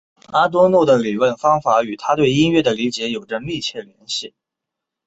阿多诺的理论方法与他对音乐的理解有着密切联系。